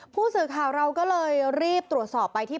ผู้สื่อข่าวเราก็เลยรีบตรวจสอบไปที่